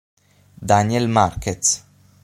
Daniel Márquez